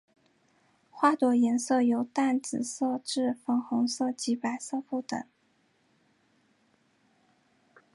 花朵颜色由淡紫色至粉红色及白色不等。